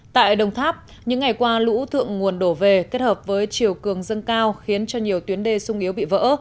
tại đồng tháp những ngày qua lũ thượng nguồn đổ về kết hợp với chiều cường dâng cao khiến cho nhiều tuyến đê sung yếu bị vỡ